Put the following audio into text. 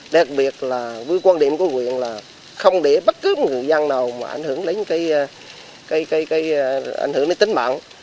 đặc biệt là với quan điểm của huyện là không để bất cứ người dân nào mà ảnh hưởng đến tính mạng